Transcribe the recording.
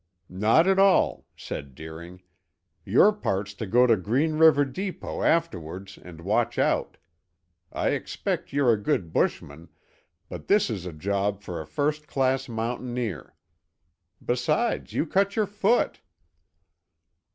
"Not at all," said Deering. "Your part's to go to Green River depot afterwards and watch out. I expect you're a good bushman, but this is a job for a first class mountaineer. Besides, you cut your foot!"